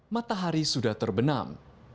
matahari sudah terbenam